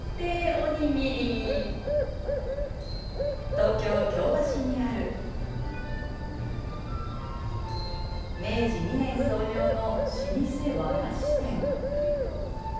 東京・京橋にある明治２年創業の老舗和菓子店。